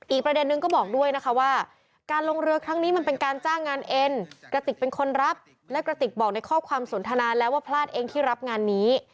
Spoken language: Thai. อีกประเด็นนึงก็บอกด้วยนะคะว่าการลงเรือครั้งนี้มันเป็นการจ้างงานเอ็นกระติกเป็นคนรับและกระติกบอกในข้อความสนทนาแล้วว่าพลาดเองที่รับงานนี้